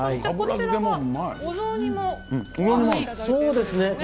そうですね。